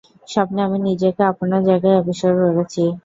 স্বপ্নে আমি নিজেকে আপনার জায়গায় আবিষ্কার করেছি।